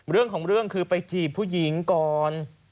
เรื่องของเรื่องคือไปจีบผู้หญิงก่อน